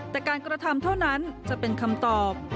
แต่การกระทำเท่านั้นจะเป็นคำตอบ